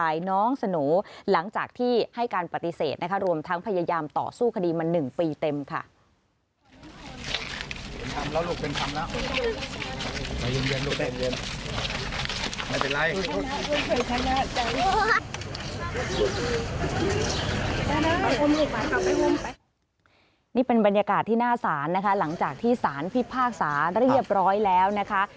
นี่เป็นบรรยากาศที่หน้าศาลนะคะหลังจากที่สารพิพากษาเรียบร้อยแล้วนะคะ